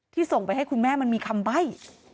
ส่งไปให้คุณแม่มันมีคำใบ้